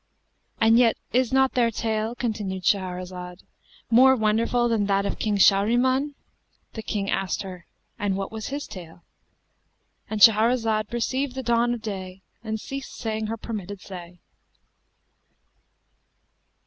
"[FN#219] And yet is not their tale (continued Shahrazad) more wonderful than that of King Shahriman. The King asked her "And what was his tale?"—And Shahrazad perceived the dawn of day and ceased saying her permitted say.